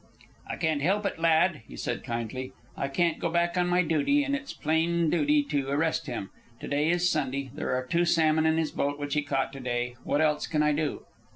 "I can't help it, lad," he said kindly. "I can't go back on my duty, and it's plain duty to arrest him. To day is Sunday; there are two salmon in his boat which he caught to day. What else can I do?"